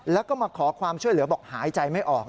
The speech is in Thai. แล้วก็มาขอความช่วยเหลือบอกหายใจไม่ออก